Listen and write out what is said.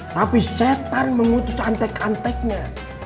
tapi setan mengutus antek anteknya